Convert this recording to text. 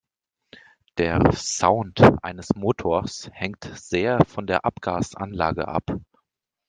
Der Sound eines Motors hängt sehr von der Abgasanlage ab.